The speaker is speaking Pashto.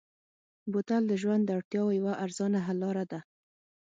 بوتل د ژوند د اړتیاوو یوه ارزانه حل لاره ده.